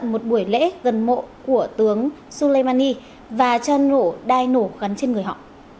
đây là một buổi lễ gần mộ của tướng soleimani và cho nổ đai nổ gắn trên người họ